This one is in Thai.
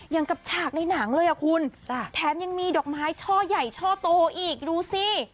อย่างกับฉากในหนังเลยอ่ะคุณแถมยังมีดอกไม้ช่อใหญ่ช่อโตอีกดูสิ